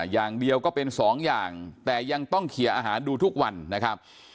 อย่างเดียวก็เป็นสองอย่างแต่ยังต้องเคลียร์อาหารดูทุกวันนะครับ